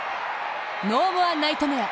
ノーモアナイトメア。